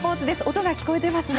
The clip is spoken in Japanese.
音が聞こえてますね。